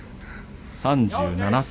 ３７歳。